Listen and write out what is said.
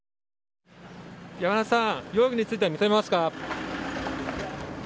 山田さん、容疑については認めますか？